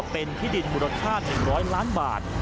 เป็นพิดินมูลธาตุ๑๐๐ล้านบาท